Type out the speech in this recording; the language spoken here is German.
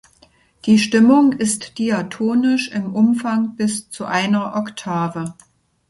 Die Stimmung ist diatonisch im Umfang bis zu einer Oktave.